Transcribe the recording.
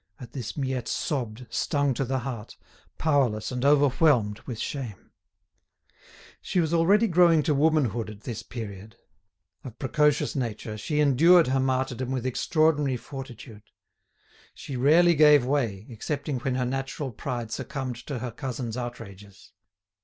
At this Miette sobbed, stung to the heart, powerless and overwhelmed with shame. She was already growing to womanhood at this period. Of precocious nature, she endured her martyrdom with extraordinary fortitude. She rarely gave way, excepting when her natural pride succumbed to her cousin's outrages.